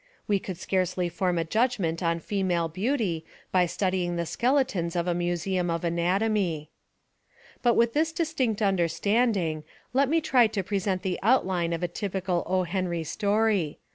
We could scarcely form a judgment on female beauty by studying the skeletons of a museum of anatomy. But with this distinct understanding, let me try to present the outline of a typical O. Henry story.